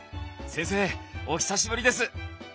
先生お久しぶりです！